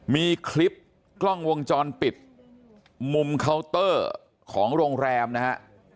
มีคลิปกล้องวงจรปิดมุมเคาน์เตอร์ของโรงแรมนะฮะ